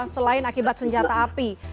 selain akibat senjata api